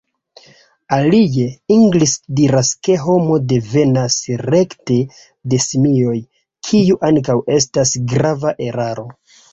Alie, Engels diras ke homo devenas rekte de simioj, kio ankaŭ estas grava eraro.